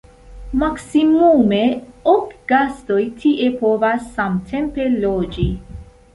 Maksimume ok gastoj tie povas samtempe loĝi.